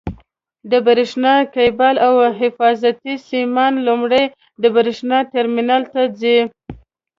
د برېښنا کېبل او حفاظتي سیمان لومړی د برېښنا ټرمینل ته ځي.